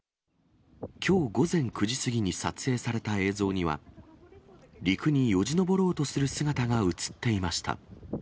きょう午前９時過ぎに撮影された映像には、陸によじ登ろうとする姿が映っていました。